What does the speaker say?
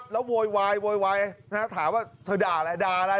แล้วโวยวายโวยวายถามว่าเธอด่าอะไรด่าอะไร